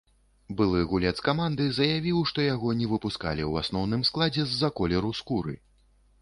Былы гулец каманды заявіў, што яго не выпускалі ў асноўным складзе з-за колеру скуры.